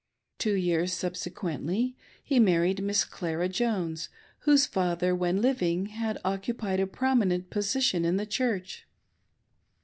Two years subsequently he married Miss Clara Jones, whose father when living had occupied a prominent' position in the Church.